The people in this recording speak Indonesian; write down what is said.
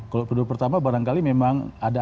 kalau periode pertama barangkali memang ada